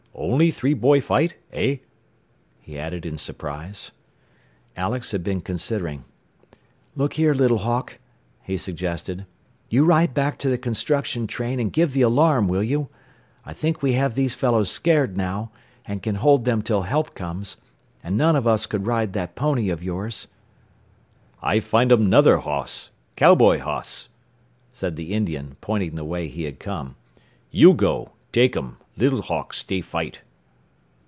Only three boy fight, eh?" he added in surprise. Alex had been considering. "Look here, Little Hawk," he suggested, "you ride back to the construction train and give the alarm, will you? I think we have these fellows scared now, and can hold them till help comes. And none of us could ride that pony of yours." "I findum nother hoss cowboy hoss," said the Indian, pointing the way he had come. "You go, takeum, Little Hawk stay fight."